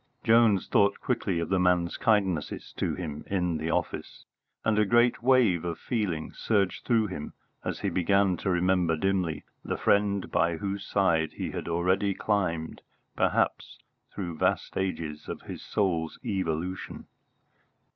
Jones thought quickly of the man's kindness to him in the office, and a great wave of feeling surged through him as he began to remember dimly the friend by whose side he had already climbed, perhaps through vast ages of his soul's evolution.